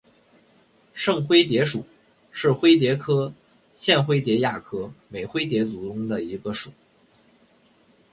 圣灰蝶属是灰蝶科线灰蝶亚科美灰蝶族中的一个属。